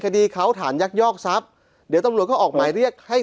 คดีเขาฐานยักยอกทรัพย์เดี๋ยวตำรวจเขาออกหมายเรียกให้